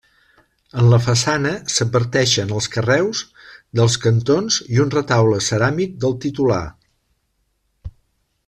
En la façana s'adverteixen els carreus dels cantons i un retaule ceràmic del titular.